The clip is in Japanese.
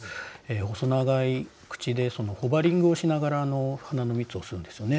細長い口でホバリングをしながら花の蜜を吸うんですよね。